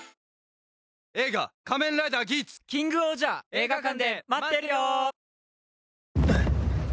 映画館で待ってるよ！